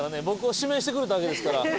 僕を指名してくれたわけですから。